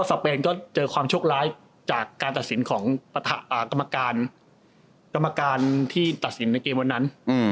เปนก็เจอความโชคร้ายจากการตัดสินของกรรมการกรรมการที่ตัดสินในเกมวันนั้น